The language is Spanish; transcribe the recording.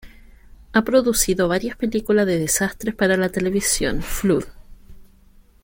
Ha producido varias películas de desastres para la televisión: "Flood!